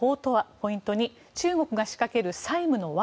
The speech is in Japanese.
ポイント２中国が仕掛ける債務の罠